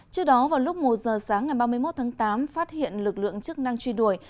trước đó vào lúc một giờ sáng ngày ba mươi một tháng tám phát hiện lực lượng chức năng truy đuổi